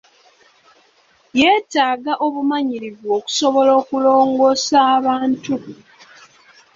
Yeetaaga obumanyirivu okusobola okulongoosa abantu.